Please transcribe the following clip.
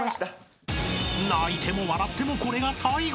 ［泣いても笑ってもこれが最後］